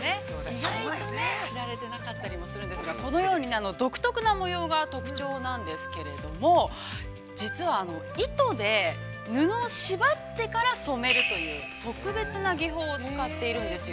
意外と知られてなかったりするんですが、このように、独特な模様が特徴なんですけれども、実は、糸で布を縛ってから染めるという、特別な技法を使っているんですよ。